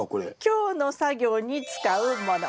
今日の作業に使うもの